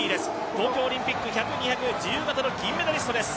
東京オリンピック１００、２００自由形の銀メダリストです。